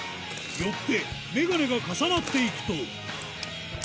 よってメガネが重なっていくとあぁ！